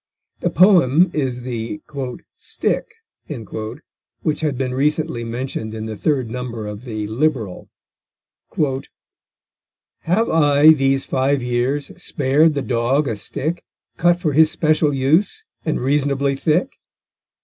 The poem is the "stick" which had been recently mentioned in the third number of the Liberal: _Have I, these five years, spared the dog a stick, Cut for his special use, and reasonably thick?